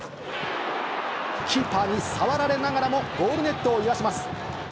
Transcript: キーパーに触られながらも、ゴールネットを揺らします。